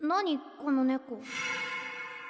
この猫。